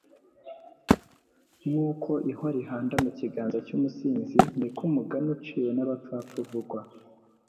nk’uko ihwa rihanda mu kiganza cy’umusinzi, ni ko umugani uciwe n’abapfapfa uvugwa